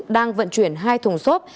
đang vận chuyển hai thùng xốp